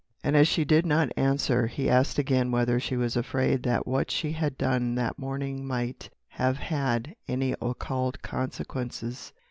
And as she did not answer, he asked again whether she was afraid that what she had done that morning might have had any occult consequences.